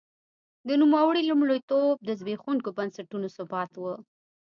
د نوموړي لومړیتوب د زبېښونکو بنسټونو ثبات و.